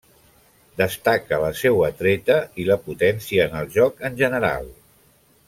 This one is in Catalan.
Destaca la seua treta, i la potència en el joc en general.